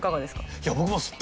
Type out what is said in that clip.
いや僕も。